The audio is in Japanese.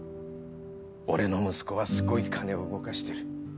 俺の息子はすごい金を動かしてる。